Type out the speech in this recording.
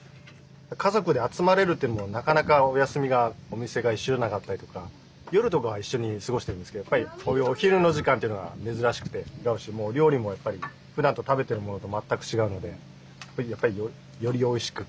家族で集まれるというのもなかなかお休みがお店が一緒じゃなかったりとか夜とかは一緒に過ごしてるんですけどやっぱりお昼の時間というのは珍しくて料理もふだんと食べてるものと全く違うのでやっぱりよりおいしく感じますね。